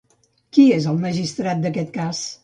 Qui és el magistrat d'aquest cas?